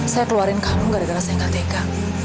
saya keluarin kamu karena gara gara saya gak tega